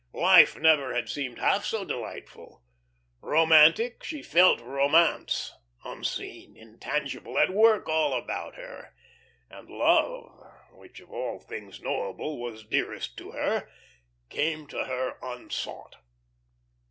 Life never had seemed half so delightful. Romantic, she felt Romance, unseen, intangible, at work all about her. And love, which of all things knowable was dearest to her, came to her unsought.